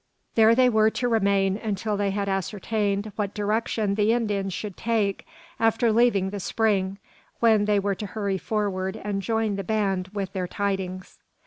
There they were to remain until they had ascertained what direction the Indians should take after leaving the spring, when they were to hurry forward and join the band with their tidings.